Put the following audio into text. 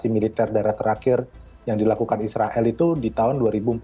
militer daerah terakhir yang dilakukan israel itu di tahun dua ribu empat belas